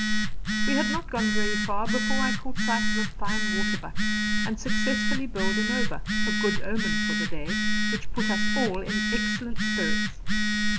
We had not gone very far before I caught sight of a fine waterbuck and successfully bowled him over a good omen for the day, which put us all in excellent spirits.